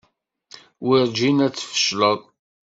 Werǧin ad tfecleḍ.